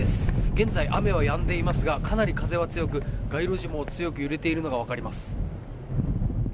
現在雨は止んでいますがかなり風は強く街路樹も強く揺れているのが分かります。